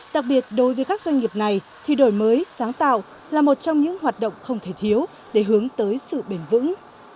đặc biệt đối với các doanh nghiệp này thì đổi mới sáng tạo là một trong những hoạt động không thể thiếu để hướng tới sự bền vững